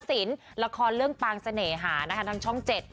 ละครเรื่องปางเสน่หานะคะทั้งช่องเจ็ด